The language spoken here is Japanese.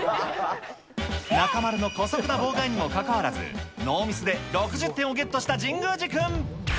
中丸のこそくな妨害にもかかわらずノーミスで６０点をゲットした神宮寺君。